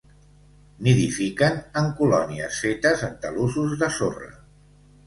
Nidifiquen en colònies fetes en talussos de sorra.